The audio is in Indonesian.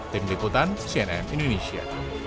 tim liputan cnn indonesia